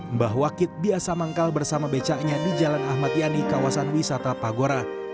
mbah wakit biasa manggal bersama becaknya di jalan ahmad yani kawasan wisata pagora